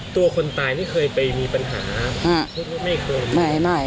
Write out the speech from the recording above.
ตัวคนตายมันเคยไปมีปัญหาเพราะพูดว่าไม่เคยแล้ว